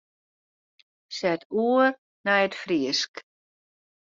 Set oer nei it Frysk.